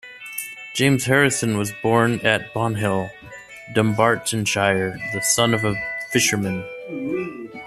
James Harrison was born at Bonhill, Dunbartonshire, the son of a fisherman.